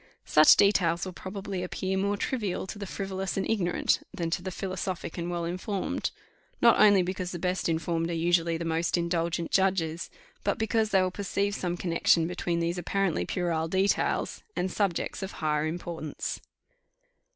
Such details will probably appear more trivial to the frivolous and ignorant than to the philosophic and well informed: not only because the best informed are usually the most indulgent judges, but because they will perceive some connexion between these apparently puerile details and subjects of higher importance.